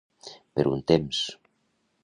Per un temps.